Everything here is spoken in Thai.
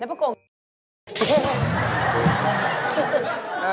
แล้วประโกะ